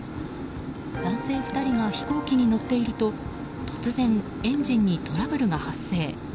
男性２人が飛行機に乗っていると突然、エンジンにトラブルが発生。